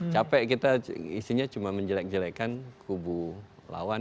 capek kita isinya cuma menjelek jelekkan kubu lawan